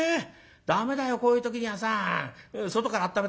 ダメだよこういう時にはさ外からあっためたって。